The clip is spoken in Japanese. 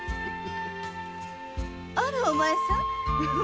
あらおまえさん